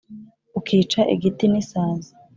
ukica igiti n’isazi;